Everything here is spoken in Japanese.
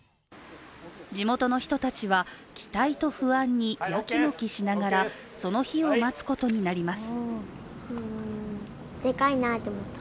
地元の人たちは期待と不安にやきもきしながらその日を待つことになります。